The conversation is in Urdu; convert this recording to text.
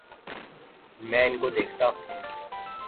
میں ان کو دیکھتا